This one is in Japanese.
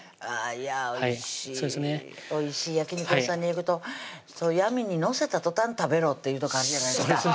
いやおいしいおいしい焼き肉屋さんに行くと網に載せたとたん食べろって言うとこあるじゃないですか